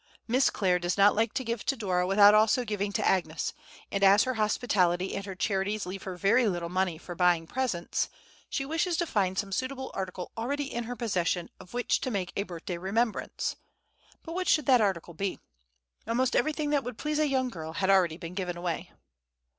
Miss Clare does not like to give to Dora without also giving to Agnes, and as her hospitality and her charities leave her very little money for buying presents, she wishes to find some suitable article already in her possession of which to make a birthday remembrance. But what should that article be? Almost everything that would please a young girl had already been given away.